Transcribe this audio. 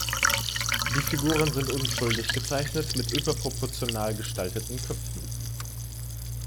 Die Figuren sind unschuldig gezeichnet, mit überproportional gestalteten Köpfen.